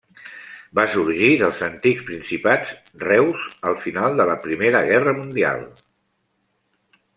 Va sorgir dels antics principats Reuss al final de la Primera Guerra Mundial.